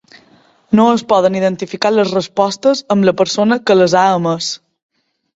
No es poden identificar les respostes amb la persona que les ha emès.